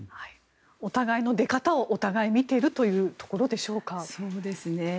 お互いの出方をお互い見ているというところでしょうか。